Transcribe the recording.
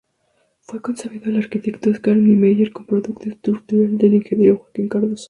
Fue concebido por el arquitecto Oscar Niemeyer, con proyecto estructural del ingeniero Joaquim Cardozo.